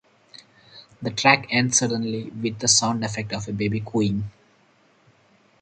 The track ends suddenly with the sound effect of a baby cooing.